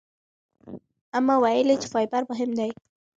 اما ویلي چې فایبر مهم دی.